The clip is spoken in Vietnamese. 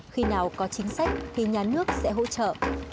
khi nào có chính sách thì nhà nước sẽ hỗ trợ